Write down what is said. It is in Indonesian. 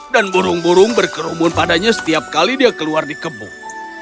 dan burung burung berkerumun padanya setiap kali dia keluar di kebuk